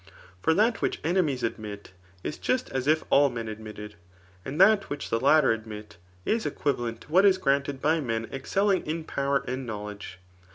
For that which eneaieB adfliit, is just as if all men admitted, and that which the iMter admit, is equivalent to what is granted by men eat catting in power and knowledge.